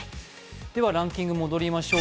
ではランキング戻りましょう。